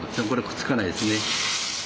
これくっつかないですね。